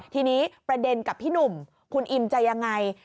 ทีนี้ประเด็นกับพี่หนุ่มคุณอิมจะยังไง